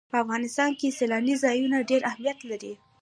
په افغانستان کې سیلانی ځایونه ډېر اهمیت لري.